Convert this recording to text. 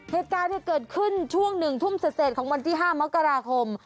เหตุการณ์เกิดขึ้นช่วง๑ทุ่มเสร็จของวันที่๕มกราคม